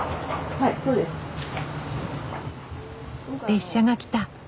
列車が来た。